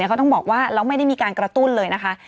เขาต้องบอกว่าเราไม่ได้มีการกระตุ้นเลยนะคะ